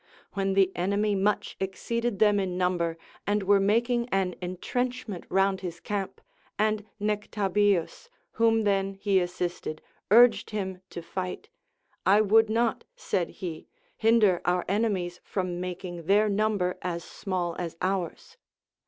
When the enemy much exceeded them in number and were making an entrenchment round his camp, and Nectabius, whom then he assisted, urged him to fight ; I would not, said he, hinder our enemies from making their number as small as ours.